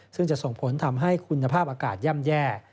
ซึ่งจะส่งผลทำให้คุณภาพอากาศย่ำแย่